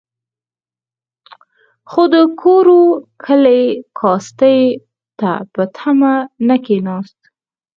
خو د کورو کلي کاسې ته په تمه نه کېناست.